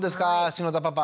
篠田パパ